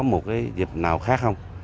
một cái dịch nào khác không